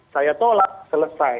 saya tolak selesai